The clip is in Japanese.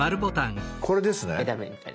これですね。